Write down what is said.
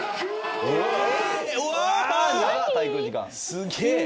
すげえ！